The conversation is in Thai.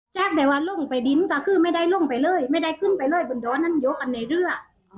แบบว่าลงไปดินก็คือไม่ได้ลงไปเลยไม่ได้ขึ้นไปเลยบนดอนนั้นยกกันในเรือ